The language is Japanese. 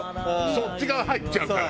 そっち側入っちゃうから。